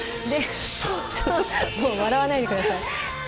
そう、笑わないでください。